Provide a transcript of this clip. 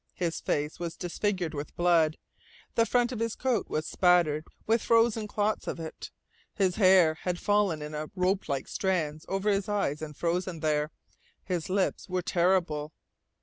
His face was disfigured with blood, the front of his coat was spattered with frozen clots of it. His long hair had fallen in ropelike strands over his eyes and frozen there. His lips were terrible.